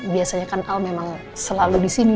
biasanya kan al memang selalu disini